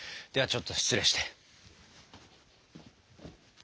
ではちょっと失礼して。